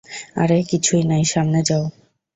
আরে, কিছুই নাই, সামনে যাও।